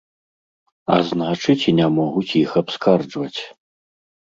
А значыць і не могуць іх абскарджваць.